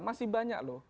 masih banyak loh